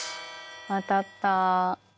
当たった！